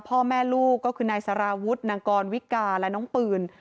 พ่อแม่ลูกก็คือนายสารวุฒินางกรวิกาและน้องปืน